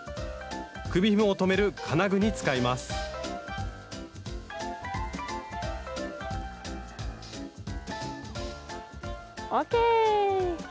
首ひもを留める金具に使いますＯＫ！